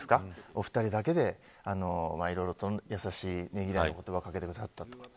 お二人だけで、いろいろとやさしいねぎらいの言葉をかけてくださったと。